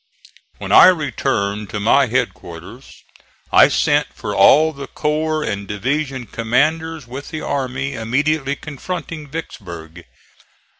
When I returned to my headquarters I sent for all the corps and division commanders with the army immediately confronting Vicksburg.